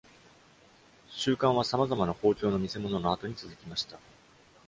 収監は、さまざまな公共の見せものの後に続きました。